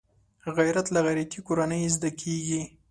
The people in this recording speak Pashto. غیرت له غیرتي کورنۍ زده کېږي